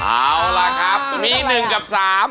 เอาล่ะครับมี๑กับ๓